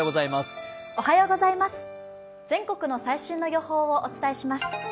全国の最新の予報をお伝えします。